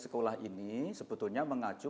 sekolah ini sebetulnya mengacu